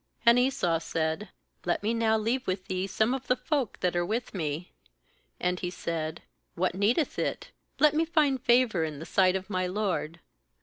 15And Esau said: 'Let me now leave with thee some of the folk that are with me.' And he said: 'What needeth it? let me find favour in the sight of my lord.'